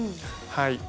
はい。